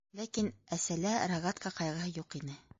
Ләкин әсәлә рогатка ҡайғыһы юҡ ине.